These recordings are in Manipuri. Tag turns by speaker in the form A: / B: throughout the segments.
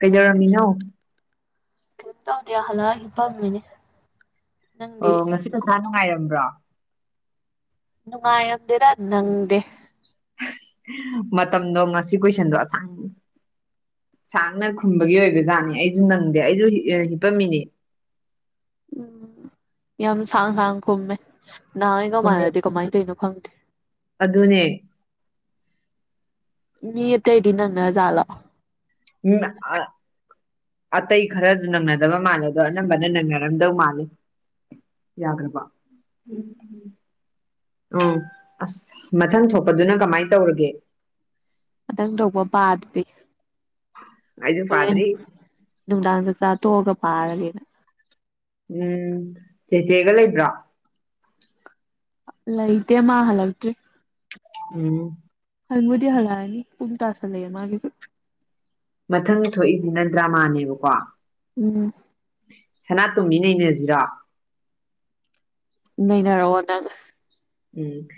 A: ꯀꯩꯗꯧꯔꯝꯃꯤꯅꯣ
B: ꯀꯦꯝ ꯇꯧꯗꯦ ꯍꯟꯂꯛꯑꯒ ꯍꯤꯞꯄꯝꯃꯤꯅꯦ ꯅꯪꯗꯤ
A: ꯑꯣ ꯉꯁꯤ ꯄꯔꯤꯈꯥ ꯅꯨꯡꯉꯥꯏꯔꯝꯕ꯭ꯔꯣ
B: ꯅꯨꯡꯉꯥꯏꯔꯝꯗꯦꯗ ꯅꯪꯗꯦ
A: ꯃꯇꯝꯗꯣ ꯉꯁꯤ ꯀꯨꯏꯁꯟꯗꯣ ꯑꯁꯥꯡ ꯁꯥꯡꯅ ꯈꯨꯝꯕꯒꯤ ꯑꯣꯏꯕ ꯖꯥꯠꯅꯤ ꯑꯩꯁꯨ ꯅꯪꯗꯦ ꯑꯩꯁꯨ ꯑꯥ ꯍꯤꯞꯄꯝꯃꯤꯅꯦ
B: ꯎꯝ ꯌꯥꯝ ꯁꯥꯡ ꯁꯥꯡ ꯈꯨꯝꯃꯦ ꯅꯍꯥꯟꯈꯩꯒ
A: ꯈꯨꯝꯃꯦ
B: ꯃꯥꯟꯅꯗꯦ ꯀꯃꯥꯏꯅ ꯇꯧꯔꯤꯅꯣ ꯈꯪꯗꯦ
A: ꯑꯗꯨꯅꯦ
B: ꯃꯤ ꯑꯇꯩꯗꯤ ꯅꯪꯅ ꯖꯥꯠꯂꯣ
A: ꯎꯝ ꯑꯥ ꯑꯇꯩ ꯈꯔꯁꯨ ꯅꯪꯅꯗꯕ ꯃꯥꯜꯂꯦ ꯑꯗꯣ ꯑꯅꯝꯕꯅ ꯅꯪꯅꯔꯝꯗꯧ ꯃꯥꯜꯂꯤ ꯌꯥꯈ꯭ꯔꯕꯣ ꯎꯝ ꯎꯝ ꯎꯝ ꯑꯁ ꯃꯊꯪ ꯊꯣꯛꯄꯗꯨꯅ ꯀꯃꯥꯏꯅ ꯇꯧꯔꯒꯦ
B: ꯃꯇꯪ ꯊꯣꯛꯄ ꯄꯥꯗꯔꯤ
A: ꯑꯩꯁꯨ
B: ꯍꯣꯔꯦꯟ
A: ꯄꯥꯗ꯭ꯔꯤ
B: ꯅꯨꯡꯗꯥꯡ ꯆꯥꯛ ꯆꯥ ꯇꯣꯛꯑꯒ ꯄꯥꯔꯒꯦꯅ
A: ꯎꯝ ꯆꯦꯆꯦꯒ ꯂꯩꯕ꯭ꯔꯣ
B: ꯂꯩꯇꯦ ꯃꯥ ꯍꯜꯂꯛꯇ꯭ꯔꯤ
A: ꯎꯝ
B: ꯍꯟꯕꯨꯗꯤ ꯍꯜꯂꯛꯑꯅꯤ ꯄꯨꯡ ꯇꯥꯁꯜꯂꯛꯑꯦ ꯃꯥꯒꯤꯁꯨ
A: ꯃꯊꯪ ꯊꯣꯛꯏꯖꯤꯅ ꯗ꯭ꯔꯃꯥꯅꯦꯕꯀꯣ
B: ꯎꯝ
A: ꯁꯅꯥꯇꯣꯝꯕꯤ ꯅꯩꯅꯖꯤꯔꯣ
B: ꯅꯩꯅꯔꯛꯑꯣ ꯅꯪ
A: ꯎꯝ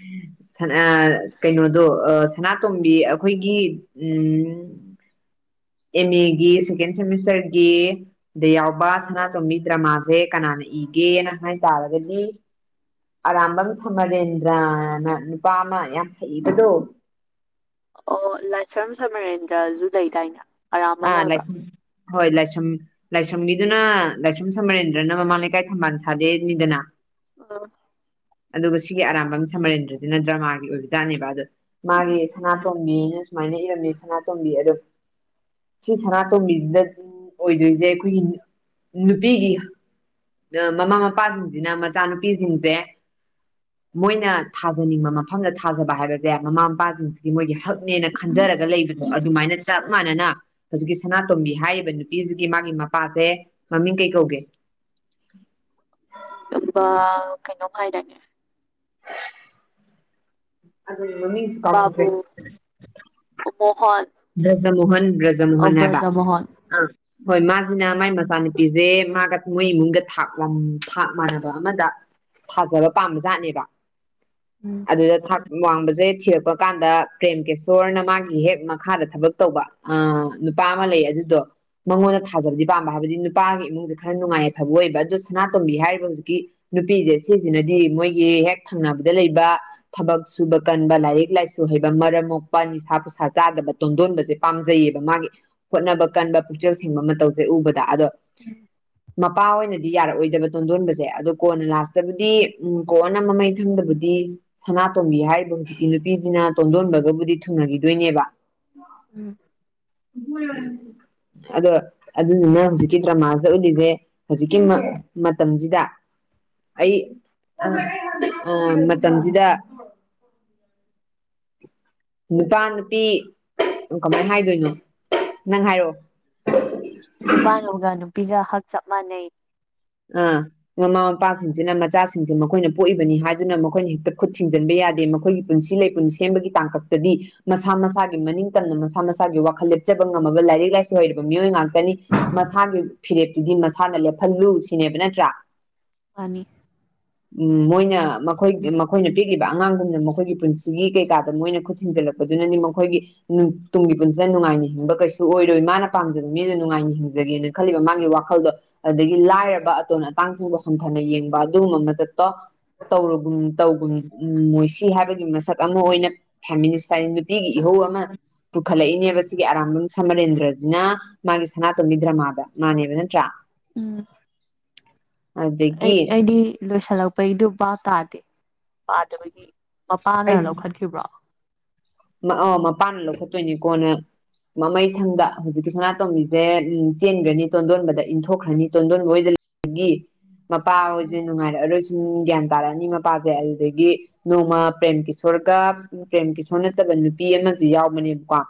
A: ꯁꯅꯥ ꯀꯩꯅꯣꯗꯣ ꯑꯥ ꯁꯅꯥꯇꯣꯝꯕꯤ ꯑꯩꯈꯣꯏꯒꯤ ꯎꯝ ꯑꯦꯝꯃꯦꯒꯤ ꯁꯦꯀꯦꯟ ꯁꯦꯃꯤꯁꯇꯔꯒꯤ ꯗ ꯌꯥꯎꯕ ꯁꯅꯥꯇꯣꯝꯕꯤ ꯗ꯭ꯔꯃꯥꯖꯦ ꯀꯅꯥꯅ ꯏꯒꯦꯅ ꯍꯥꯏ ꯇꯥꯔꯒꯗꯤ ꯑꯔꯥꯝꯕꯝ ꯁꯃꯔꯦꯟꯗ꯭ꯔꯅ ꯅꯨꯄꯥ ꯑꯃ ꯌꯥꯝ ꯍꯩꯕꯗꯣ
B: ꯑꯣ ꯂꯥꯏꯁ꯭ꯔꯝ ꯁꯃꯔꯦꯟꯗ꯭ꯔꯖꯨ ꯂꯩꯗꯥꯏꯅꯦ ꯑꯔꯥꯝꯕꯝ
A: ꯑꯥ ꯂꯩ
B: ꯑꯣꯏꯕ꯭ꯔꯥ
A: ꯍꯣꯏ ꯂꯥꯏꯁꯝ ꯂꯥꯏꯁ꯭ꯔꯝꯕꯤꯗꯨꯅ ꯂꯥꯏꯁ꯭ꯔꯝ ꯁꯃꯔꯦꯟꯗ꯭ꯔꯅ ꯃꯃꯥꯡ ꯂꯩꯀꯥꯏ ꯊꯝꯕꯥꯜ ꯁꯥꯠꯂꯦꯅꯤꯗꯅ
B: ꯍꯜꯂꯣ
A: ꯑꯗꯨꯒ ꯁꯤꯒꯤ ꯑꯔꯥꯝꯕꯝ ꯁꯝꯃꯔꯦꯟꯗ꯭ꯔꯁꯤꯅ ꯗ꯭ꯔꯃꯥꯒꯤ ꯑꯣꯏꯕꯖꯥꯠꯅꯦꯕ ꯑꯗꯣ ꯃꯥꯒꯤ ꯁꯅꯥꯇꯣꯝꯕꯤꯅ ꯁꯨꯃꯥꯏꯅ ꯏꯔꯝꯃꯤ ꯁꯅꯥꯇꯣꯝꯕꯤ ꯑꯗꯣ ꯁꯤ ꯁꯅꯥꯇꯣꯝꯕꯤꯖꯤꯗꯗꯤ ꯑꯣꯏꯗꯣꯏꯁꯦ ꯑꯩꯈꯣꯏꯒꯤ ꯅꯨꯞ ꯅꯨꯄꯤꯒꯤ ꯗꯥ ꯃꯃꯥ ꯃꯄꯥꯖꯤꯡꯖꯤꯅ ꯃꯆꯥꯅꯨꯄꯤꯖꯤꯡꯖꯦ ꯃꯣꯏꯅ ꯊꯥꯖꯅꯤꯡꯕ ꯃꯐꯝꯗ ꯊꯥꯖꯕ ꯍꯥꯏꯕꯖꯦ ꯃꯃꯥ ꯃꯄꯥꯖꯤꯡꯖꯤꯒꯤ ꯃꯣꯏꯒꯤ ꯍꯛꯅꯦꯅ__ ꯈꯟꯖꯔꯒ ꯂꯩꯕꯗꯣ ꯑꯗꯨꯃꯥꯏꯅ ꯆꯞ ꯃꯥꯟꯅꯅ ꯍꯧꯖꯤꯛꯀꯤ ꯁꯅꯥꯇꯣꯝꯕꯤ ꯍꯥꯏꯔꯤꯕ ꯅꯨꯄꯤꯖꯤꯒꯤ ꯃꯥꯒꯤ ꯃꯄꯥꯁꯦ ꯃꯃꯤꯡ ꯀꯩ ꯀꯧꯒꯦ
B: ꯗꯨꯝꯄꯥ ꯀꯩꯅꯣꯝ ꯍꯥꯏꯗꯥꯏꯅꯦ
A: ꯑꯗꯨꯏ ꯃꯃꯤꯡ
B: ꯕꯥꯕꯨꯨ ꯑꯣ ꯃꯣꯍꯣꯟ
A: ꯕ꯭ꯔꯖꯃꯣꯍꯟ ꯕ꯭ꯔꯖꯃꯣꯍꯟ ꯍꯥꯏꯕ
B: ꯑꯕ꯭ꯔꯖꯥ ꯃꯣꯍꯣꯟ
A: ꯑꯥ ꯍꯣꯏ
B: ꯎꯝ
A: ꯃꯥ__ ꯍꯡꯅ ꯃꯥꯏ ꯃꯆꯥꯅꯨꯄꯤꯖꯦ ꯃꯥꯒ ꯃꯣꯏ ꯏꯃꯨꯡꯒꯥ ꯊꯥꯛ ꯋꯥꯡ ꯊꯥꯛ ꯃꯥꯟꯅꯕ ꯑꯃꯗ ꯊꯥꯖꯕ ꯄꯥꯝꯕ ꯖꯥꯠꯅꯦꯕ
B: ꯎꯝ
A: ꯑꯗꯨꯗ ꯊꯥꯛ ꯋꯥꯡꯕꯁꯦ ꯊꯤꯔꯛꯄ ꯀꯥꯟꯗ ꯄ꯭ꯔꯦꯝ ꯀꯦꯁꯣꯔꯅ ꯃꯥꯒꯤ ꯍꯦꯛ ꯃꯛ__ ꯈꯥꯗ ꯊꯕꯛ ꯇꯧꯕ ꯑꯥ ꯅꯨꯄꯥ ꯑꯃ ꯂꯩꯌꯦ ꯑꯗꯨꯗꯣ ꯃꯉꯣꯟꯗ ꯊꯥꯖꯕꯗꯤ ꯄꯥꯝꯕ ꯍꯥꯏꯕꯗꯤ ꯅꯨꯄꯥꯒꯤ ꯏꯃꯨꯡꯖꯦ ꯈꯔ ꯅꯨꯡꯉꯥꯏ ꯌꯥꯏꯐꯕ ꯑꯣꯏꯕ ꯑꯗꯨ ꯁꯅꯥꯇꯣꯝꯕꯤ ꯍꯥꯏꯔꯤꯕ ꯍꯧꯖꯤꯛꯀꯤ ꯅꯨꯄꯤꯖꯦ ꯁꯤꯖꯤꯅꯗꯤ ꯃꯣꯏꯒꯤ ꯍꯦꯛ ꯊꯪꯅꯕꯗ ꯂꯩꯕ ꯊꯕꯛ ꯁꯨꯕ ꯀꯟꯕ ꯂꯥꯏꯔꯤꯛ ꯂꯥꯏꯁꯨ ꯍꯩꯕ ꯃꯔꯝ ꯃꯣꯛꯄ ꯅꯤꯁꯥ ꯄꯨꯁꯥ ꯆꯥꯗꯕꯠ__ ꯇꯣꯟꯗꯣꯟꯕꯖꯦ ꯄꯥꯝꯖꯩꯌꯦꯕ ꯃꯥꯒꯤ ꯍꯣꯠꯅꯕ ꯀꯟꯕ ꯄꯨꯛꯆꯦꯜ ꯁꯦꯡꯕ ꯃꯇꯧꯖꯦ ꯎꯕꯗ ꯑꯗꯣ [inaudible] ꯃꯄꯥ ꯑꯣꯏꯅꯗꯤ ꯌꯥꯔꯛꯑꯣꯏꯗꯕ ꯇꯣꯟꯗꯣꯟꯕꯁꯦ ꯑꯗꯣ ꯀꯣꯟꯅ ꯂꯥꯁꯇꯕꯨꯗꯤ ꯎꯝ ꯀꯣꯟꯅ ꯃꯃꯩ ꯊꯪꯗꯕꯨꯗꯤ ꯁꯅꯥꯇꯣꯝꯕꯤ ꯍꯥꯏꯔꯤꯕ ꯍꯧꯖꯤꯛꯀꯤ ꯅꯨꯄꯤꯁꯤꯅ ꯇꯣꯟꯗꯣꯟꯕꯒꯕꯨꯗꯤ ꯊꯨꯡꯅꯒꯤꯗꯣꯏꯅꯦꯕ
B: ꯎꯝ
A: [unintelligible] ꯑꯗꯣ ꯑꯗꯨꯗꯨꯅ ꯍꯧꯖꯤꯛꯀꯤ ꯗ꯭ꯔꯃꯥꯥꯁꯤꯗ ꯎꯠꯂꯤꯖꯦ ꯍꯧꯖꯤꯛꯀꯤ ꯃꯥ ꯃꯇꯝꯖꯤꯗ ꯑꯩ ꯑ ꯑꯥ ꯃꯇꯝꯖꯤꯗ ꯅꯨꯄꯥ ꯅꯨꯄꯤ ꯎꯪ ꯀꯃꯥꯏ ꯍꯥꯏꯗꯣꯏꯅꯣ ꯅꯪ ꯍꯥꯏꯔꯑꯣ
B: ꯅꯨꯄꯥꯅꯧꯒ ꯅꯨꯄꯤꯒ ꯍꯛ ꯆꯞ ꯃꯥꯟꯅꯩ
A: ꯑꯥ ꯃꯃꯥ ꯃꯄꯥꯁꯤꯡꯁꯤꯅ ꯃꯆꯥꯁꯤꯡꯁꯦ ꯃꯈꯣꯏꯅ ꯄꯣꯛꯏꯕꯅꯤ ꯍꯥꯏꯗꯨꯅ ꯃꯈꯣꯏꯅ ꯍꯦꯛꯇ ꯈꯨꯠ ꯊꯤꯡꯖꯤꯟꯕ ꯌꯥꯗꯦ ꯃꯈꯣꯏꯒꯤ ꯄꯨꯟꯁꯤ ꯂꯩꯄꯨꯟ ꯁꯦꯝꯕꯒꯤ ꯇꯥꯡꯀꯛꯇꯗꯤ ꯃꯁꯥ ꯃꯁꯥꯒꯤ ꯃꯅꯤꯡ ꯇꯝꯅ ꯃꯁꯥ ꯃꯁꯥꯒꯤ ꯋꯥꯈꯜ ꯂꯦꯞꯆꯕ ꯉꯝꯃꯕ ꯂꯥꯏꯔꯤꯛ ꯂꯥꯏꯁꯨ ꯍꯩꯔꯕ ꯃꯤꯑꯣꯏ ꯉꯥꯛꯇꯅꯤ ꯃꯁꯥꯒꯤ ꯐꯤꯔꯦꯞꯇꯨꯗꯤ ꯃꯁꯥꯅ ꯂꯦꯞꯍꯜꯂꯨ ꯁꯤꯅꯦꯕ ꯅꯠꯇ꯭ꯔꯥ
B: ꯃꯥꯅꯤ
A: [inaudible] ꯎꯝ ꯃꯣꯏꯅ ꯃꯈꯣꯏ ꯃꯈꯣꯏꯅ ꯄꯤꯛꯂꯤꯕ ꯑꯉꯥꯡꯒꯨꯝꯅ ꯃꯈꯣꯏꯒꯤ ꯄꯨꯟꯁꯤꯒꯤ ꯀꯩꯀꯥꯗ ꯃꯣꯏꯅ ꯈꯨꯠ ꯊꯤꯡꯖꯤꯜꯂꯛꯄꯗꯨꯅꯅꯤ ꯃꯈꯣꯏꯒꯤ ꯇꯨꯡꯒꯤ ꯄꯨꯟꯁꯤꯗ ꯅꯨꯡꯉꯥꯏꯅ ꯍꯤꯡꯕ ꯀꯩꯁꯨ ꯑꯣꯏꯔꯣꯏ ꯃꯥꯅ ꯄꯥꯝꯖꯕ ꯃꯤꯗꯨ ꯅꯨꯡꯉꯥꯏꯅ ꯍꯤꯡꯖꯒꯦꯅ ꯈꯜꯂꯤꯕ ꯃꯥꯒꯤ ꯋꯥꯈꯜꯗꯣ ꯑꯗꯒꯤ ꯂꯥꯏꯔꯕ ꯑꯇꯣꯟ ꯑꯇꯥꯡꯁꯤꯡꯕꯨ ꯍꯟꯊꯅ ꯌꯦꯡꯕ ꯑꯗꯨꯒꯨꯝꯕ ꯃꯆꯠꯇꯣ ꯇꯧꯔꯨꯒꯨꯝ ꯇꯧꯒꯨꯝ ꯃꯣꯏꯁꯤ ꯍꯥꯏꯕꯒꯤ ꯃꯁꯛ ꯑꯃ ꯑꯣꯏꯅ ꯐꯦꯃꯤꯅꯤꯁ ꯍꯥꯏ ꯅꯨꯄꯤꯒꯤ ꯏꯍꯧ ꯑꯃ ꯄꯨꯈꯠꯂꯛꯏꯅꯦꯕ ꯁꯤꯒꯤ ꯑꯔꯥꯝꯕꯝ ꯁꯃꯔꯦꯟꯗ꯭ꯔꯖꯤꯅ ꯃꯥꯒꯤ ꯁꯅꯥꯇꯣꯝꯕꯤ ꯗ꯭ꯔꯃꯥꯗ ꯃꯥꯅꯦꯕ ꯅꯠꯇ꯭ꯔꯥ
B: ꯎꯝ ꯑꯩ
A: ꯑꯗꯒꯤ
B: ꯑꯩꯗꯤ ꯂꯣꯏꯁꯜꯂꯛꯄꯩꯗꯨ ꯚꯥꯞ ꯇꯥꯗꯦ ꯄꯥꯗꯕꯒꯤ ꯃꯄꯥꯅ ꯂꯧꯈꯠꯈꯤꯕ꯭ꯔꯣ
A: ꯑꯣ ꯃꯄꯥꯅ ꯂꯧꯈꯠꯇꯣꯏꯅꯤ ꯀꯣꯟꯅ ꯃꯃꯩꯊꯪꯗ ꯍꯧꯖꯤꯛꯀꯤ ꯁꯅꯥꯇꯣꯝꯕꯤꯖꯦ ꯎꯝ ꯆꯦꯟꯒ꯭ꯔꯅꯤ ꯇꯣꯟꯗꯣꯟꯕꯗ ꯏꯟꯊꯣꯛꯈ꯭ꯔꯅꯤ ꯇꯣꯟꯗꯣꯟꯕ ꯍꯣꯏꯗ ꯑꯗꯒꯤ ꯃꯄꯥ ꯍꯣꯏꯁꯦ ꯅꯨꯡꯉꯥꯏꯔꯛꯑꯔꯣꯏ ꯎꯝ ꯒ꯭ꯌꯥꯟ ꯇꯥꯔꯛꯑꯅꯤ ꯃꯄꯥꯁꯦ ꯑꯗꯨꯗꯒꯤ ꯅꯣꯡꯃ ꯄ꯭ꯔꯦꯝꯀꯤꯁ꯭ꯋꯣꯔꯒ ꯄ꯭ꯔꯦꯝꯀꯤꯁ꯭ꯋꯣꯔ ꯁꯣꯔ ꯅꯠꯇꯕ ꯅꯨꯄꯤ ꯑꯃꯁꯨ ꯌꯥꯎꯕꯅꯦꯕꯀꯣ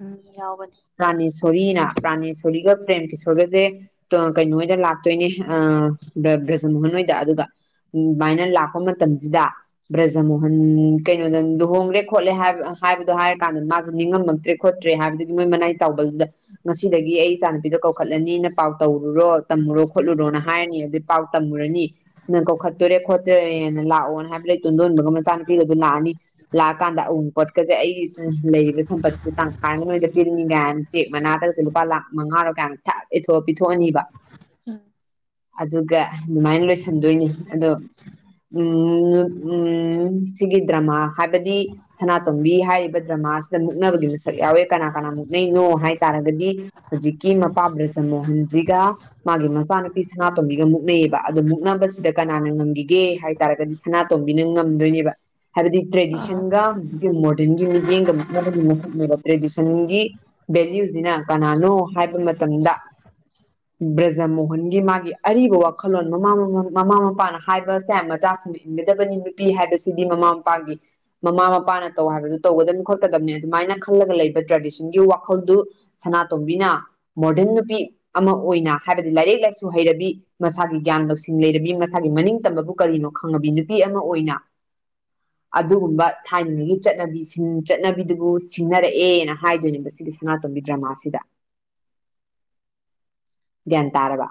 B: ꯎꯝ ꯌꯥꯎꯕꯅꯤ
A: ꯄ꯭ꯔꯥꯅꯦꯁꯣꯔꯤꯅ ꯄ꯭ꯔꯥꯅꯦꯁꯣꯔꯤꯒ ꯄ꯭ꯔꯦꯝꯀꯤꯁ꯭ꯋꯣꯔ ꯒꯁꯦ ꯀꯩꯅꯣꯏꯗ ꯂꯥꯛꯇꯣꯏꯅꯦ ꯑ ꯕ꯭ꯔꯖꯃꯣꯍꯟ ꯍꯣꯏꯗ ꯑꯗꯨꯒ ꯑꯗꯨꯃꯥꯏꯅ ꯂꯥꯛꯄ ꯃꯇꯝꯁꯤꯗ ꯕ꯭ꯔꯖꯃꯣꯍꯟ ꯀꯩꯅꯣꯗ ꯂꯨꯍꯣꯡꯈ꯭ꯔꯦ ꯈꯣꯠꯂꯦ ꯍꯥꯏꯕꯗꯣ ꯍꯥꯏꯔ ꯀꯥꯟꯗ ꯃꯥꯁꯨ ꯅꯤꯡꯉꯝꯃꯛꯇ꯭ꯔꯦ ꯈꯣꯠꯇ꯭ꯔꯦ ꯍꯥꯏꯕꯗꯒꯤ ꯃꯣꯏ ꯃꯅꯥꯏ ꯆꯥꯎꯕꯜꯗꯨꯗ ꯉꯁꯤꯗꯒꯤ ꯑꯩ ꯏꯆꯥꯅꯨꯄꯤꯗꯣ ꯀꯧꯈꯠꯂꯅꯤ ꯅ ꯄꯥꯎ ꯇꯧꯔꯨꯔꯣ ꯇꯝꯃꯨꯔꯣ ꯈꯣꯠꯂꯨꯔꯣꯅ ꯍꯥꯏꯔꯅꯤ ꯑꯗꯨ ꯄꯥꯎ ꯇꯝꯃꯨꯔꯅꯤ ꯅ ꯀꯧꯈꯠꯇꯣꯔꯦ ꯈꯣꯠꯇꯣꯔꯦꯅ ꯂꯥꯛꯑꯣꯅ ꯍꯥꯏꯕꯗꯩ ꯇꯣꯟꯗꯣꯟꯕꯒ ꯃꯆꯥꯅꯨꯄꯤꯒ ꯑꯗꯨ ꯂꯥꯛꯑꯅꯤ ꯀꯥꯟꯗ ꯑꯎꯟꯄꯣꯠꯀꯁꯦ ꯑꯩꯒꯤ ꯂꯩꯔꯤꯕ ꯁꯝꯄꯇꯤꯁꯦ ꯇꯥꯡꯈꯥꯏ ꯑꯃ ꯅꯣꯏꯗ ꯄꯤꯔꯅꯤ ꯀꯥꯏꯅ ꯎꯆꯦꯛ ꯃꯅꯥꯗꯒꯁꯦ ꯂꯨꯄꯥ ꯂꯥꯛ ꯃꯉꯥꯔꯣ ꯀꯌꯥꯅꯣ ꯊꯛ ꯏꯊꯣꯛꯑ ꯄꯤꯊꯣꯛꯑꯅꯤꯕ
B: ꯎ
A: ꯑꯗꯨꯒ ꯑꯗꯨꯃꯥꯏ ꯂꯣꯏꯁꯟꯗꯣꯏꯅꯤ ꯑꯗꯣ ꯎꯝ ꯎꯝ ꯁꯤꯒꯤ ꯗ꯭ꯔꯃꯥ ꯍꯥꯏꯕꯗꯤ ꯁꯅꯥꯇꯣꯝꯕꯤ ꯍꯥꯏꯔꯤꯕ ꯗ꯭ꯔꯃꯥꯁꯤꯗ ꯃꯨꯛꯅꯕꯒꯤ ꯃꯁꯛ ꯌꯥꯎꯋꯦ ꯀꯅꯥ ꯀꯅꯥ ꯃꯨꯛꯅꯩꯅꯣ ꯍꯥꯏ ꯇꯥꯔꯒꯗꯤ ꯍꯣꯖꯤꯛꯀꯤ ꯃꯄꯥ ꯕ꯭ꯔꯖꯃꯣꯍꯟꯖꯤꯒ ꯃꯥꯒꯤ ꯃꯆꯥꯅꯨꯄꯤ ꯁꯅꯥꯇꯣꯝꯕꯤꯒ ꯃꯨꯛꯅꯩꯌꯦꯕ ꯑꯗꯨ ꯃꯨꯛꯅꯕꯖꯤꯗ ꯀꯅꯥꯅ ꯉꯝꯒꯤꯒꯦ ꯍꯥꯏꯇꯥꯔꯒꯗꯤ ꯁꯅꯥꯇꯣꯝꯕꯤꯅ ꯉꯝꯗꯣꯏꯅꯦꯕ ꯍꯥꯏꯕꯗꯤ
B: ꯑꯥ
A: ꯇ꯭ꯔꯦꯗꯤꯁꯟꯒ ꯍꯧꯖꯤꯛꯀꯤ ꯃꯣꯔꯗꯟꯒꯤ ꯃꯤꯠꯌꯦꯡꯒ ꯃꯨꯛꯅꯕꯒꯤ ꯃꯁꯛꯅꯦꯕ ꯇ꯭ꯔꯦꯗꯤꯁꯟꯒꯤ ꯚꯦꯂ꯭ꯌꯨꯖꯤꯅ ꯀꯅꯥꯅꯣ ꯍꯥꯏꯕ ꯃꯇꯝꯗ ꯕ꯭ꯔꯖꯃꯣꯍꯟꯒꯤ ꯃꯥꯒꯤ ꯑꯔꯤꯕ ꯋꯥꯈꯜꯂꯣꯟ ꯃꯃꯥ ꯃꯝ ꯃꯃꯥ ꯃꯄꯥꯅ ꯍꯥꯏꯕꯁꯦ ꯃꯆꯥꯁꯤꯡꯒꯤ ꯏꯟꯒꯗꯕꯅꯤ ꯅꯨꯄꯤ ꯍꯥꯏꯕꯁꯤꯗꯤ ꯃꯃꯥ ꯃꯄꯥꯒꯤ ꯃꯃꯥ ꯃꯄꯥꯅ ꯇꯧ ꯍꯥꯏꯕꯗꯨ ꯇꯧꯒꯗꯝꯅꯤ ꯈꯣꯠꯀꯗꯕꯅꯤ ꯑꯗꯨꯃꯥꯏꯅ ꯈꯜꯂꯒ ꯂꯩꯕ ꯇ꯭ꯔꯦꯗꯤꯁꯟꯒꯤ ꯋꯥꯈꯜꯗꯨ ꯁꯅꯥꯇꯣꯝꯕꯤꯅ ꯃꯣꯔꯗꯟ ꯅꯨꯄꯤ ꯑꯃ ꯑꯣꯏꯅ ꯍꯥꯏꯕꯗꯤ ꯂꯥꯏꯔꯤꯛ ꯂꯥꯏꯁꯨ ꯍꯩꯔꯕꯤ ꯃꯁꯥꯒꯤ ꯒ꯭ꯌꯥꯟ ꯂꯧꯁꯤꯡ ꯂꯩꯔꯕꯤ ꯃꯁꯥꯒꯤ ꯃꯅꯤꯡ ꯇꯝꯕꯕꯨ ꯀꯔꯤꯅꯣ ꯈꯪꯉꯕꯤ ꯅꯨꯄꯤ ꯑꯃ ꯑꯣꯏꯅ ꯑꯗꯨꯒꯨꯝꯕ ꯊꯥꯏꯅꯉꯩꯒꯤ ꯆꯠꯅꯕꯤꯁꯤꯡ ꯆꯠꯅꯕꯤꯗꯨꯕꯨ ꯁꯤꯡꯅꯔꯛꯑꯦꯅ ꯍꯥꯏꯗꯣꯏꯅꯦꯕ ꯁꯤꯒꯤ ꯁꯅꯥꯇꯣꯝꯕꯤ ꯗ꯭ꯔꯃꯥꯁꯤꯗ ꯒ꯭ꯌꯥꯟ ꯇꯥꯔꯕ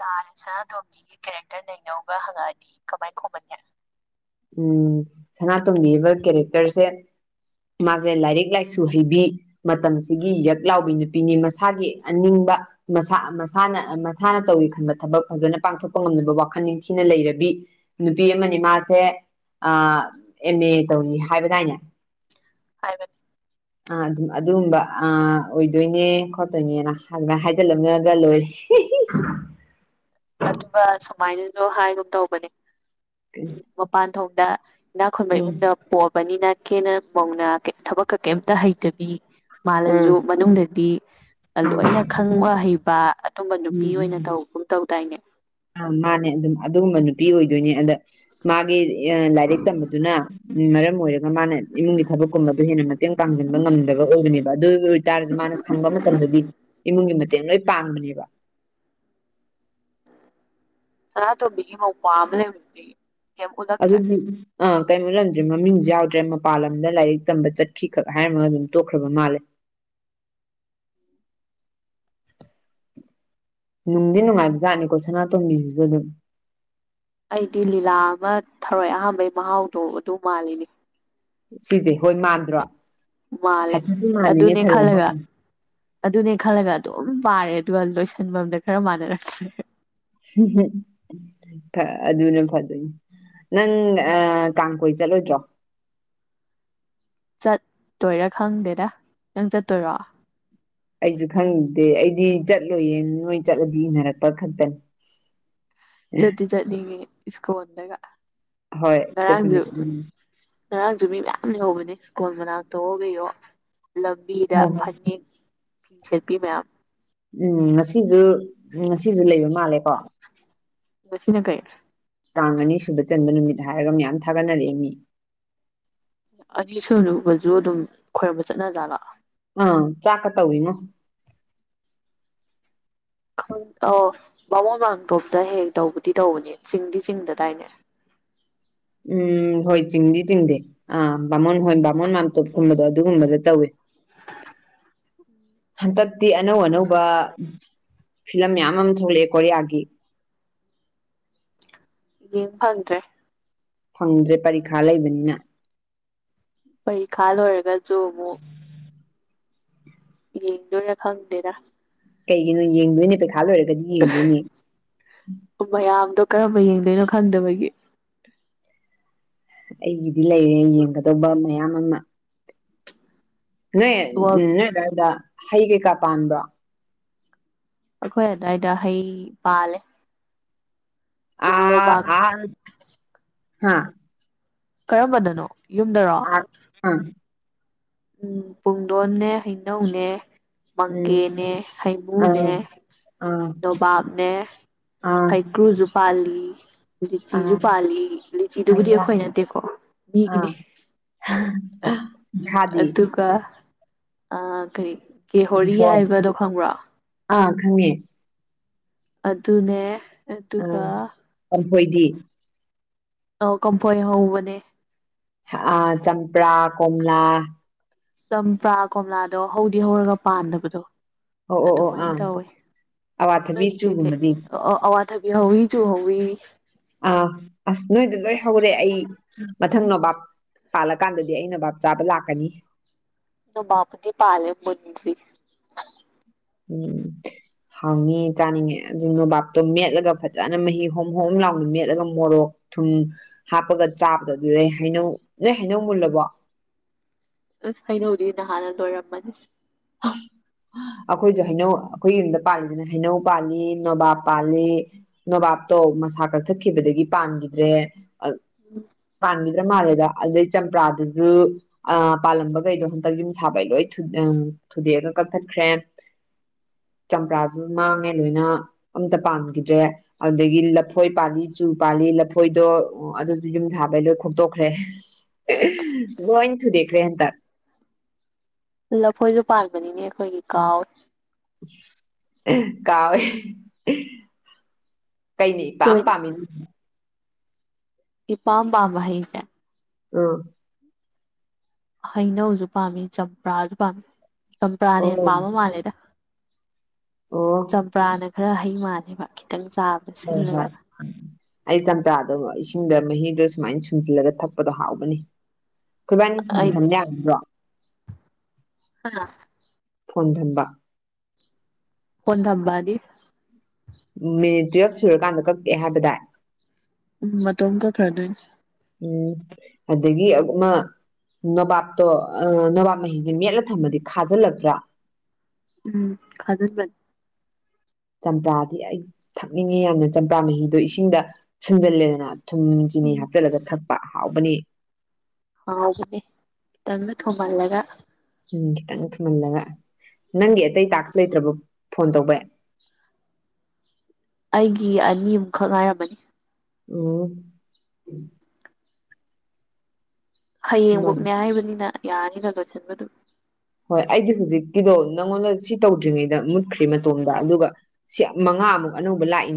B: ꯇꯥꯔꯦ ꯁꯅꯥꯇꯣꯝꯕꯤꯒꯤ ꯀꯦꯔꯦꯛꯇꯔ ꯅꯩꯅꯧꯒ ꯍꯪꯉꯛꯑꯗꯤ ꯀꯃꯥꯏꯟ ꯈꯨꯝꯃꯅꯤ
A: ꯎꯝ ꯁꯅꯥꯇꯣꯝꯕꯤꯕ ꯀꯦꯔꯦꯛꯇꯔꯁꯦ ꯃꯥꯖꯦ ꯂꯥꯏꯔꯤꯛ ꯂꯥꯏꯁꯨ ꯍꯩꯕꯤ ꯃꯇꯝꯁꯤꯒꯤ ꯌꯛ ꯂꯥꯎꯕꯤ ꯅꯨꯄꯤꯅꯤ ꯃꯁꯥꯒꯤ ꯑꯅꯤꯡꯕ ꯃꯁꯥ ꯃꯁꯥꯅ ꯃꯁꯥꯅ ꯇꯧꯒꯦ ꯈꯟꯕ ꯊꯕꯛ ꯐꯖꯅ ꯄꯥꯡꯊꯣꯛꯄ ꯉꯝꯅꯕ ꯋꯥꯈꯟ ꯅꯤꯡꯊꯤꯅ ꯂꯩꯔꯕꯤ ꯅꯨꯄꯤ ꯑꯃꯅꯤ ꯃꯥꯁꯦ ꯑꯥ ꯑꯦꯃꯦ ꯇꯧꯔꯤ ꯍꯥꯏꯕꯗꯥꯏꯅꯦ
B: ꯍꯥꯏꯕꯅꯤ
A: [inaudible] ꯑꯥ ꯑꯗꯨꯝ ꯑꯗꯨꯝꯕ ꯑꯥ ꯑꯣꯏꯗꯣꯏꯅꯦ ꯈꯣꯠꯇꯣꯏꯅꯦꯅ ꯑꯗꯨꯃꯥꯏ ꯍꯥꯏꯖꯤꯜꯂꯝꯃꯒ ꯂꯣꯏꯔꯦ [unintelligible]
B: ꯑꯗꯨꯒ ꯁꯨꯃꯥꯏꯅꯖꯨ ꯍꯥꯏꯒꯨꯝ ꯇꯧꯕꯅꯤ
A: [unintelligible]
B: ꯃꯄꯥꯟꯊꯣꯡꯗ ꯏꯅꯥꯛ ꯈꯨꯟꯕ
A: ꯎꯝ
B: ꯏꯃꯨꯡꯗ ꯄꯣꯛ ꯃꯕꯅꯤꯅ ꯀꯦꯅ ꯃꯧꯅ ꯀꯦꯝ ꯊꯕꯛꯀ ꯀꯩꯝꯇ ꯍꯩꯇꯕꯤ ꯃꯥꯜꯂꯖꯨ
A: ꯑꯥ
B: ꯃꯅꯨꯡꯗꯗꯤ ꯂꯣꯏꯅ ꯈꯪꯕ ꯍꯩꯕ ꯑꯗꯨꯝꯕ ꯅꯨꯄꯤ ꯑꯣꯏꯅ ꯇꯧꯒꯨꯝ ꯇꯧꯗꯥꯏꯅꯦ
A: ꯑꯥ ꯃꯥꯟꯅꯦ ꯑꯗꯨꯝ ꯑꯗꯨꯒꯨꯝꯕ ꯅꯨꯄꯤ ꯑꯣꯏꯗꯣꯏꯅꯦ ꯑꯗ ꯃꯥꯒꯤ ꯑ ꯂꯥꯏꯔꯤꯛ ꯇꯝꯕꯗꯨꯅ ꯃꯔꯝ ꯑꯣꯏꯔ ꯗ ꯃꯥꯅ ꯏꯃꯨꯡꯒꯤ ꯊꯕꯛꯀꯨꯝꯕꯗꯣ ꯍꯦꯟꯅ ꯃꯇꯦꯡ ꯄꯥꯡꯖꯤꯟꯕ ꯉꯝꯗꯕ ꯑꯣꯏꯕꯅꯦꯕ ꯑꯗꯨꯒꯤ ꯑꯣꯏꯇꯥꯔꯖꯨ ꯃꯥꯅ ꯁꯪꯕ ꯃꯇꯝꯗꯗꯤ ꯏꯃꯨꯡꯒꯤ ꯃꯇꯦꯡ ꯂꯣꯏ ꯄꯥꯡꯕꯅꯦꯕ
B: ꯁꯅꯥꯇꯣꯝꯕꯤꯒꯤ ꯃꯧꯄ꯭ꯋꯥ ꯑꯃ ꯂꯩꯕꯗꯨꯗꯤ ꯀꯩꯝ ꯎꯠꯂꯛꯇ꯭ꯔꯦ
A: ꯑꯗꯨꯗꯤ ꯑꯥ ꯀꯩꯝ ꯎꯠꯂꯝꯗ꯭ꯔꯦ ꯃꯃꯤꯡꯖꯨ ꯌꯥꯎꯗ꯭ꯔꯦ ꯃꯄꯥꯜ ꯂꯝꯗ ꯂꯥꯏꯔꯤꯛ ꯇꯝꯕ ꯆꯠꯈꯤ ꯈꯛ ꯍꯥꯏꯔꯒ ꯑꯗꯨꯝ ꯇꯣꯛꯈ꯭ꯔꯕ ꯃꯥꯜꯂꯦ ꯅꯨꯡꯗꯤ ꯅꯨꯡꯉꯥꯏꯕ ꯖꯥꯠꯅꯤꯀꯣ ꯁꯅꯥꯇꯣꯝꯕꯤꯖꯤꯖꯨ ꯑꯗꯨꯝ
B: ꯑꯩꯗꯤ ꯂꯤꯂꯥ ꯑꯃ ꯊꯔꯣꯏ ꯑꯍꯥꯝꯕꯩ ꯃꯍꯥꯎꯗꯣ ꯑꯗꯨ ꯃꯥꯜꯂꯤꯅꯤ
A: ꯁꯤꯖꯦ ꯍꯣꯏ ꯃꯥꯟꯗ꯭ꯔꯣ
B: ꯃꯥꯜꯂꯦ
A: ꯍꯥꯏꯐꯦꯠꯇꯤ ꯃꯥꯜꯂꯤꯅꯦ
B: ꯑꯗꯨꯅꯦ
A: ꯊꯔꯣ ꯑꯃ
B: ꯈꯜꯂꯒ ꯑꯗꯨꯅꯦ ꯈꯜꯂꯒ ꯑꯗꯨꯝ ꯄꯥꯔꯦ ꯑꯗꯨꯒ ꯂꯣꯏꯁꯟꯕꯝꯗ ꯈ꯭ꯔ ꯃꯥꯟꯅꯔꯛꯇ꯭ꯔꯦ
A: [unintelligible] [unintelligible] ꯑꯗꯨꯅ ꯐꯗꯣꯏꯅꯤ ꯅꯪ ꯑꯥ ꯀꯥꯡ ꯀꯣꯏ ꯆꯠꯂꯣꯏꯗ꯭ꯔꯣ
B: ꯆꯠꯇꯣꯏꯔꯥ ꯈꯪꯗꯦꯗ ꯅꯪ ꯆꯠꯇꯣꯏꯔꯣ
A: ꯑꯩꯖꯨ ꯈꯪꯗꯦ ꯑꯩꯗꯤ ꯆꯠꯂꯣꯏꯌꯦ ꯅꯣꯏ ꯆꯠꯂꯗꯤ ꯏꯟꯅꯔꯛꯄ ꯈꯛꯇꯅꯦ [inaudible]
B: ꯆꯠꯇꯤ ꯆꯠꯅꯤꯡꯉꯤ ꯏꯁꯀꯣꯟꯗꯒ
A: ꯍꯣꯏ ꯆꯠꯄꯨꯗꯤ
B: ꯉꯔꯥꯡꯖꯨ
A: ꯆꯠꯅꯤꯡꯉꯦ
B: ꯉꯔꯥꯡꯁꯨ ꯃꯤ ꯃꯌꯥꯝ ꯂꯩꯍꯧꯕꯅꯦ ꯁ꯭ꯀꯣꯟ ꯃꯅꯥꯛꯇꯋꯣ ꯀꯩꯋꯣ ꯂꯝ ꯂꯝꯕꯤꯗ
A: ꯎꯝ
B: ꯐꯅꯦꯛ ꯁꯦꯠꯄꯤ ꯃꯌꯥꯝ
A: ꯎꯝ ꯉꯥꯁꯤꯖꯨ ꯉꯁꯤꯖꯨ ꯂꯩꯕ ꯃꯥꯜꯂꯦꯀꯣ
B: ꯉꯥꯁꯤꯅ ꯀꯩ
A: ꯀꯥꯡ ꯑꯅꯤ ꯁꯨꯕ ꯆꯟꯕ ꯅꯨꯃꯤꯠ ꯍꯥꯏꯔꯒ ꯃ꯭ꯌꯥꯝ ꯊꯥꯒꯠꯅꯔꯛꯑꯦ ꯃꯤ
B: ꯑꯅꯤ ꯁꯨꯕꯁꯨ ꯑꯗꯨꯝ ꯈꯣꯏꯔꯝꯕ ꯆꯠꯅꯖꯥꯠꯂꯣ
A: ꯑꯪ ꯆꯥꯛꯀꯥ ꯇꯧꯋꯤꯉꯣ
B: [unintelligible] ꯈꯪ ꯑꯣ ꯕꯥꯃꯣꯟ ꯃꯥꯝꯇꯣꯞꯇ ꯍꯦꯛ ꯇꯧꯕꯗꯤ ꯇꯧꯕꯅꯦ ꯆꯤꯡꯗꯤ ꯆꯤꯡꯗꯗꯥꯏꯅꯦ
A: ꯎꯝ ꯍꯣꯏ ꯆꯤꯡꯗꯤ ꯆꯤꯡꯗꯦ ꯑꯥ ꯕꯥꯃꯣꯟ ꯍꯣꯏ ꯕꯥꯃꯣꯟ ꯃꯥꯝꯇꯣꯞꯀꯨꯝꯕꯗꯣ ꯑꯗꯨꯒꯨꯝꯕꯗ ꯇꯧꯋꯦ ꯍꯟꯗꯛꯇꯤ ꯑꯅꯧ ꯑꯅꯧꯕ, ꯐꯤꯂꯝ ꯃꯌꯥꯝ ꯑꯃꯥ ꯊꯣꯛꯂꯛꯑꯦ ꯀꯣꯔꯤꯌꯥꯒꯤ
B: [unintelligible] ꯌꯦꯡ ꯐꯪꯗꯔ꯭ꯦ
A: ꯐꯪꯗ꯭ꯔꯦ ꯄꯔꯤꯈꯥ ꯂꯩꯕꯅꯤꯅ
B: ꯄꯩꯔꯤꯈꯥ ꯂꯣꯏꯔꯒꯁꯨ ꯑꯃꯨꯛ ꯌꯦꯡꯗꯣꯏꯔꯥ ꯈꯪꯗꯦꯗꯥ
A: ꯀꯩꯒꯤꯅꯣ ꯌꯦꯡꯗꯣꯏꯅꯦ ꯄꯩꯈꯥ ꯂꯣꯏꯔꯒꯗꯤ ꯌꯦꯡꯗꯣꯏꯅꯦ
B: ꯃꯌꯥꯝꯗꯣ ꯀꯔꯝꯕ ꯌꯦꯡꯗꯣꯏꯅꯣ ꯈꯪꯗꯕꯒꯤ
A: ꯑꯩꯒꯤꯗꯤ ꯂꯩꯔꯦ ꯌꯦꯡꯒꯗꯧꯕ ꯃꯌꯥꯝ ꯑꯃꯥ ꯅꯡꯑꯦ ꯎꯝ
B: ꯑꯩꯈꯣꯏ
A: ꯅꯣꯏ ꯑꯗ꯭ꯋꯥꯏꯗ ꯍꯩ ꯀꯩꯀꯥ ꯄꯥꯟꯕ꯭ꯔꯣ?
B: ꯑꯩꯈꯣꯏ ꯑꯗꯨꯋꯥꯏꯗ ꯍꯩ, ꯄꯥꯜꯂꯦ꯫
A: ꯑꯥ
B: ꯂꯣꯕꯥꯛ
A: ꯑ [inaudible] ꯍꯥ
B: ꯀꯔꯝꯕꯗꯅꯣ ꯌꯨꯝꯗꯥꯔꯣ?
A: [unintelligible] ꯎꯝ
B: ꯎꯝ ꯄꯨꯡꯗꯣꯟꯅꯦ ꯍꯩꯅꯧꯅꯦ
A: ꯎꯝ
B: ꯃꯪꯒꯦꯅꯦ ꯍꯩꯃꯨꯅꯦ
A: ꯑꯥ ꯑꯥ
B: ꯅꯣꯕꯥꯞꯅꯦ
A: ꯑꯥ
B: ꯍꯩꯀ꯭ꯔꯨꯖꯨ ꯄꯥꯜꯂꯤ ꯂꯤꯆꯤꯁꯨ
A: ꯑꯥ
B: ꯄꯥꯜꯂꯤ ꯂꯤꯆꯤꯗꯨꯕꯨꯗꯤ
A: ꯑꯌꯥ
B: ꯑꯩꯈꯣꯏ ꯅꯠꯇꯦꯀꯣ, ꯃꯤꯒꯤꯅꯦ
A: ꯑꯥ [unintelligible]
B: ꯑꯗꯨꯒ ꯑꯥ ꯀꯔꯤ ꯀꯦꯍꯣꯔꯤ
A: ꯀꯝꯐꯣꯏ
B: ꯍꯥꯏꯕꯗꯣ ꯈꯪꯕ꯭ꯔꯣ?
A: ꯑꯥ ꯈꯪꯉꯦ꯫
B: ꯑꯗꯨꯅꯦ
A: ꯑꯥ
B: ꯑꯗꯨꯒ
A: ꯀꯥꯝꯐꯣꯏꯗꯤ?
B: ꯑꯥꯎ ꯀꯝꯐꯣꯏ ꯍꯧꯕꯅꯦ
A: ꯑꯥ ꯆꯝꯄ꯭ꯔꯥ ꯀꯣꯝꯂꯥ
B: ꯆꯝꯄ꯭ꯔꯥ ꯀꯣꯝꯂꯥꯗꯣ ꯍꯧꯗꯤ ꯍꯧꯔꯒ ꯄꯥꯟꯗꯕꯗꯣ
A: ꯑꯣ ꯑꯣ ꯑꯣ
B: ꯑꯗꯨꯃꯥꯏꯅ
A: ꯑꯥ
B: ꯇꯧꯋꯦ
A: ꯑꯋꯥꯊꯕꯤ ꯆꯨꯒꯨꯝꯕꯗꯤ?
B: ꯑꯣ ꯑꯋꯥꯊꯕꯤ ꯍꯧꯏ ꯆꯨ ꯍꯧꯏ
A: ꯑꯥ ꯑꯁ! ꯅꯣꯏꯗ ꯂꯣꯏ ꯍꯧꯔꯦ ꯑꯩ ꯃꯊꯪ ꯅꯣꯕꯥꯞ ꯄꯥꯜꯂꯀꯥꯟꯗꯗꯤ ꯑꯩ ꯅꯣꯕꯥꯞ ꯆꯥꯕ ꯂꯥꯛꯀꯅꯤ
B: ꯅꯣꯕꯥꯞ ꯄꯨꯗꯤ ꯄꯥꯜꯂꯦ ꯃꯨꯟꯗ꯭ꯔꯤ
A: ꯎꯝ ꯍꯥꯎꯅꯤꯌꯦ ꯆꯥꯅꯤꯡꯉꯦ ꯑꯗꯨ ꯅꯣꯕꯥꯞꯇꯣ ꯃꯦꯠꯂꯒ ꯐꯖꯅ ꯃꯍꯤ ꯍꯣꯝ ꯍꯣꯝ ꯂꯥꯎꯅ ꯃꯦꯠꯂꯒ ꯃꯣꯔꯣꯛ ꯊꯨꯝ ꯍꯥꯞꯄꯒ ꯆꯥꯕꯗꯣ ꯑꯗꯨꯗꯩ ꯍꯩꯅꯧ ꯅꯣꯏ ꯍꯩꯅꯧ ꯃꯨꯜꯂꯕꯣ?
B: ꯑꯁ ꯍꯩꯅꯧꯗꯤ ꯅꯍꯥꯟꯅ ꯂꯣꯏꯔꯝꯃꯅꯤ꯫
A: [unintelligible] [unintelligible] ꯑꯩꯈꯣꯏꯁꯨ ꯍꯩꯅꯧ ꯑꯩꯈꯣꯏ ꯌꯨꯝꯗ ꯄꯥꯜꯂꯤꯁꯤꯅ ꯍꯩꯅꯧ ꯄꯥꯜꯂꯤ ꯅꯣꯕꯥꯞ ꯄꯥꯜꯂꯤ ꯅꯣꯕꯥꯞꯇꯣ ꯃꯁꯥ ꯀꯛꯊꯠꯈꯤꯕꯗꯒꯤ ꯄꯥꯟꯒꯤꯗ꯭ꯔꯦ, ꯑ ꯄꯥꯟꯒꯤꯗ꯭ꯔꯥ ꯃꯥꯜꯂꯦꯗ ꯑꯗꯩ ꯆꯝꯄ꯭ꯔꯥꯗꯨꯁꯨ ꯑꯥ ꯄꯥꯜꯂꯝꯕꯒꯩꯗꯣ ꯍꯟꯇꯛ ꯌꯨꯝ ꯁꯥꯕꯩ ꯂꯣꯏ [unintelligible] ꯊꯨꯗꯦꯛꯑꯒ ꯀꯛꯊꯠꯈ꯭ꯔꯦ, ꯆꯝꯄ꯭ꯔꯥꯖꯨ ꯃꯥꯡꯉꯦ ꯂꯣꯏꯅ ꯑꯝꯇ ꯄꯥꯟꯒꯤꯗ꯭ꯔꯦ ꯑꯗꯨꯗꯒꯤ ꯂꯐꯣꯏ ꯄꯥꯜꯂꯤ ꯆꯨ ꯄꯥꯜꯂꯤ ꯂꯐꯣꯏꯗꯣ ꯑꯗꯨꯗꯤ ꯌꯨꯝ ꯁꯥꯕꯩ ꯂꯣꯏ ꯈꯣꯛꯇꯣꯛꯈ꯭ꯔꯦ [unintelligible] ꯂꯣꯏꯟ ꯊꯨꯗꯦꯛꯈ꯭ꯔꯦ ꯍꯟꯇꯛ
B: ꯂꯐꯣꯏꯖꯨ ꯄꯥꯟꯕꯅꯤꯅꯦ ꯑꯩꯈꯣꯏꯒꯤ ꯀꯥꯎꯑꯦ
A: ꯀꯥꯎꯌꯦ ꯀꯩꯅ ꯏꯄꯥꯝ
B: ꯇꯣꯏꯅ
A: ꯄꯥꯝꯃꯤꯅꯤ
B: ꯏꯄꯥꯝ ꯄꯥꯝꯕ ꯍꯩꯁꯦ
A: ꯑꯥ
B: ꯍꯩꯅꯧꯖꯨ ꯄꯥꯝꯃꯤ ꯆꯝꯄ꯭ꯔꯥꯖꯨ ꯄꯥꯝꯃꯤ ꯆꯝꯄ꯭ꯔꯥꯅ ꯍꯦꯟꯅ
A: ꯑꯣ
B: ꯄꯥꯝꯕ ꯃꯥꯜꯂꯦꯗ
A: ꯑꯣ
B: ꯆꯝꯄ꯭ꯔꯥꯅ ꯈꯔ ꯍꯩ ꯃꯥꯥꯟꯅꯦꯕ ꯈꯤꯇꯪ ꯆꯥꯕ
A: ꯎꯝ ꯍꯣꯏ ꯑꯩ ꯆꯝꯄ꯭ꯔꯥꯗꯣ ꯏꯁꯤꯡꯗ ꯃꯍꯤꯗꯣ ꯁꯨꯃꯥꯏꯅ ꯁꯨꯝꯖꯤꯜꯂꯒ ꯊꯛꯄꯗꯣ ꯍꯥꯎꯕꯅꯤ ꯈꯣꯏꯕꯥꯟꯅꯤ ꯐꯣꯟ
B: ꯑꯩ
A: ꯊꯝꯃꯗꯤ ꯌꯥꯕ ꯅꯠꯇ꯭ꯔꯣ
B: ꯍꯥ
A: ꯐꯣꯟ ꯊꯝꯕ
B: ꯐꯣꯟ ꯊꯝꯕꯑꯗꯤ
A: ꯃꯦ ꯇꯨꯋꯦꯞꯁꯦ ꯂꯣꯏꯔꯀꯥꯟꯗ ꯀꯛꯑꯦ ꯍꯥꯏꯕꯗꯥꯏ
B: ꯎꯝ ꯃꯇꯣꯝ ꯀꯛ ꯈ꯭ꯔꯗꯣꯏꯅꯤ
A: ꯎꯝ ꯑꯗꯒꯤ ꯑꯃ ꯅꯣꯕꯥꯞꯇꯣ ꯅꯣꯕꯥꯞ ꯃꯍꯤꯖꯦ ꯃꯦꯠꯂ ꯊꯝꯃꯗꯤ ꯈꯥꯖꯜꯂꯛꯇ꯭ꯔꯥ
B: ꯎꯝ ꯈꯥꯖꯟꯕꯅꯤ
A: ꯆꯝꯄ꯭ꯔꯥꯗꯤ ꯑꯩ ꯊꯛꯅꯤꯡꯉꯦ ꯌꯥꯝꯅ ꯆꯝꯄ꯭ꯔꯥ ꯃꯍꯤꯗꯣ ꯏꯁꯤꯡꯗ ꯁꯨꯝꯖꯜꯂꯦꯗꯅ ꯊꯨꯝ ꯆꯤꯅꯤ
B: ꯎꯝ
A: ꯍꯥꯞꯆꯤꯜꯂꯒ ꯊꯛꯄ ꯍꯥꯎꯕꯅꯦ
B: ꯍꯥꯎꯕꯅꯦ ꯈꯤꯇꯪꯒ ꯊꯨꯝꯍꯜꯂꯒ
A: ꯎꯝ ꯈꯤꯇꯪ ꯊꯨꯝꯍꯜꯂꯒ ꯅꯪꯒꯤ ꯑꯇꯩ ꯇꯥꯛꯁ ꯂꯩꯇ꯭ꯔꯕ ꯐꯣꯟ ꯇꯧꯕꯩ
B: ꯑꯩꯒꯤ ꯑꯅꯤꯃꯨꯈꯛ ꯉꯥꯏꯔꯝꯃꯅꯤ
A: ꯑꯣ ꯅꯣ
B: ꯍꯌꯦꯡꯕꯨꯛꯅꯦ ꯍꯥꯏꯕꯅꯤꯅ ꯌꯥꯅꯤꯅ ꯂꯣꯏꯁꯤꯟꯕ ꯑꯗꯨꯝ
A: ꯍꯣꯏ ꯑꯩꯖꯦ ꯍꯧꯖꯤꯛꯀꯤꯗꯣ ꯅꯪꯉꯣꯟꯗ ꯁꯤ ꯇꯧꯗ꯭ꯔꯤꯉꯩꯗ ꯃꯨꯠꯈ꯭ꯔꯦ ꯃꯇꯣꯝꯗ ꯑꯗꯨꯒ ꯁꯤ ꯃꯉꯥ ꯑꯃꯨꯛ ꯑꯅꯧꯕ ꯂꯥꯛꯏ